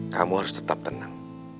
kamu harus tetap tenang